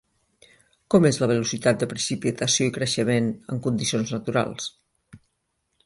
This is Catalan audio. Com és la velocitat de precipitació i creixement en condicions naturals?